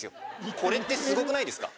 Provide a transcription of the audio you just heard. これってすごくないですか？